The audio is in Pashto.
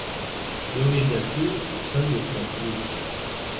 يو يې گټي ، سل يې څټي.